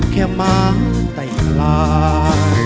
แค่มาแต่หลาย